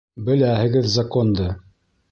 Беләһегеҙ Законды!